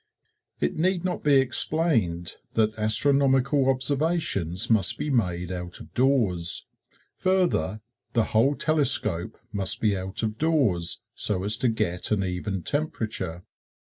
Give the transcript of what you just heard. It need not be explained that astronomical observations must be made out of doors. Further, the whole telescope must be out of doors so as to get an even temperature.